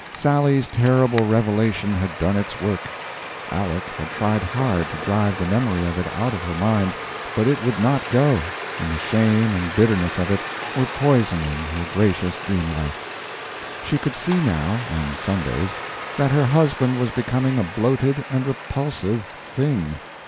Sally's terrible revelation had done its work; Aleck had tried hard to drive the memory of it out of her mind, but it would not go, and the shame and bitterness of it were poisoning her gracious dream life. She could see now (on Sundays) that her husband was becoming a bloated and repulsive Thing.